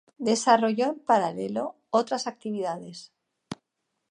Desarrolló en paralelo otras actividades.